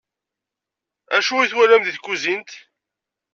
Acu i twalam di tkuzint?